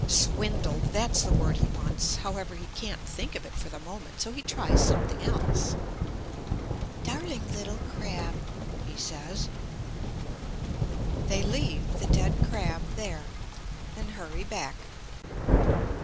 Swindled that's the word he wants. However, he can't think of it for the moment, so he tries something else. "Darling little crab," he says. They leave the dead crab there and hurry back.